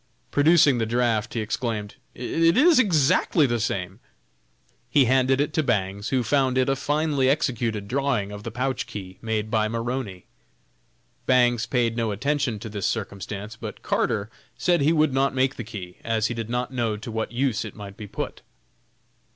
Producing the draft, he exclaimed, "it is exactly the same!" He handed it to Bangs, who found it a finely executed drawing of the pouch key, made by Maroney. Bangs paid no attention to this circumstance, but Carter said he would not make the key, as he did not know to what use it might be put.